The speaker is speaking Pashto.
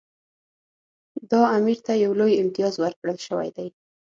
دا امیر ته یو لوی امتیاز ورکړل شوی دی.